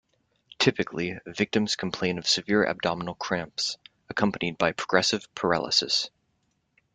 Typically, victims complain of severe abdominal cramps, accompanied by progressive paralysis.